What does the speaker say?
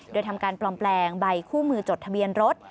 โดยทำการปลอมแปลงใบคู่มือจดทะเบียนรถ